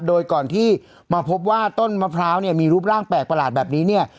โดยก่อนที่มาพบว่าต้นมะพร้าวเนี่ยมีรูปร่างแปลกประหลาดแบบนี้เนี่ย